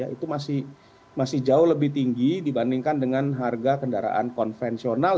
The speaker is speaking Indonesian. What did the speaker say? itu masih jauh lebih tinggi dibandingkan dengan harga kendaraan konvensional